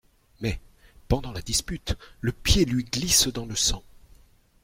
Mais, pendant la dispute, le pied lui glisse dans le sang.